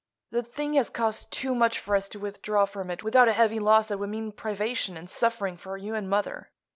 The thing has cost too much for us to withdraw from it without a heavy loss that would mean privation and suffering for you and mother.